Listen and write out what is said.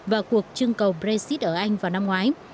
và cuộc trưng cầu brexit ở anh vào năm ngoái